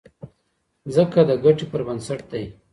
ځکه د ګټې پر بنسټ دی.